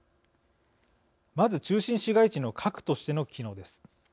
まず、中心市街地の核としての機能です。